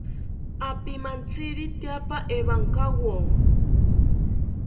Apimantziri tyaapa ewankawo